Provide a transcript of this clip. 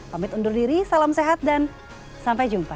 pamit undur diri salam sehat dan sampai jumpa